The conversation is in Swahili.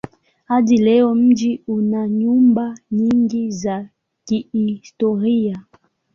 Hadi leo mji una nyumba nyingi za kihistoria.